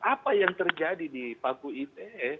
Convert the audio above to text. apa yang terjadi di paku ite